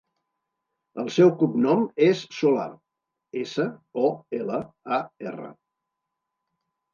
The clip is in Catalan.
El seu cognom és Solar: essa, o, ela, a, erra.